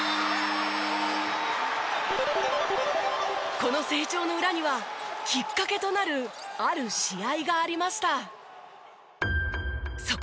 この成長の裏にはきっかけとなるある試合がありました。